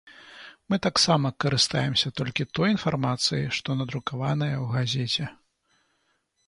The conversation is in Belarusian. Мы таксама карыстаемся толькі той інфармацыяй, што надрукаваная ў газеце.